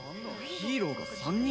・ヒーローが３人？